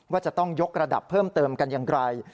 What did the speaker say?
ว่าจะต้องยกระดับเพิ่มเติมกันอย่างไร